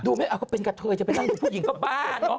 ดูไหมก็เป็นกับเธอยจะไปนั่งดูผู้หญิงข้าวบ้าน